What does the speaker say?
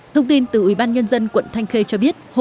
thông tin từ ủy ban nhân dân quận thanh khê cho biết